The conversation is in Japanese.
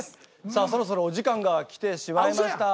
さあそろそろお時間が来てしまいました。